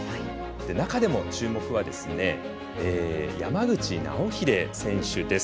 中でも注目は、山口尚秀選手です。